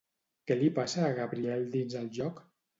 Què li passa a Gabriel dins el joc?